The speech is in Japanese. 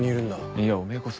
いやおめぇこそ。